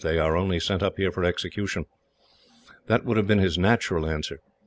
They are only sent up here for execution.' That would have been his natural answer.